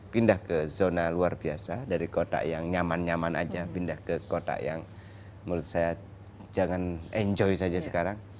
pindah ke zona luar biasa dari kotak yang nyaman nyaman aja pindah ke kota yang menurut saya jangan enjoy saja sekarang